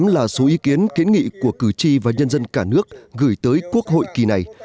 ba hai trăm tám mươi tám là số ý kiến kiến nghị của cử tri và nhân dân cả nước gửi tới quốc hội kỳ này